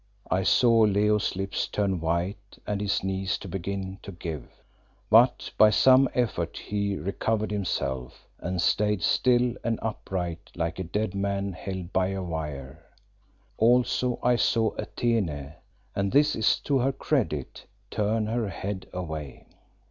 I saw Leo's lips turn white and his knees begin to give; but by some effort he recovered himself, and stayed still and upright like a dead man held by a wire. Also I saw Atene and this is to her credit turn her head away.